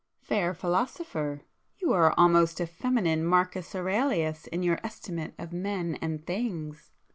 "Fair philosopher, you are almost a feminine Marcus Aurelius in your estimate of men and things!"